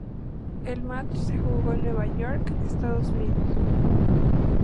El match se jugó en Nueva York, Estados Unidos.